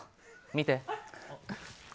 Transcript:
見て。